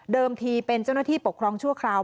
ทีเป็นเจ้าหน้าที่ปกครองชั่วคราว